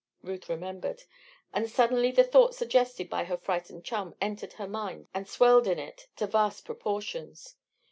Ruth remembered. And suddenly the thought suggested by her frightened chum entered her mind and swelled in it to vast proportions.